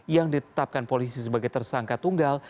yang ditetapkan polisi sebagai tersangka tunggal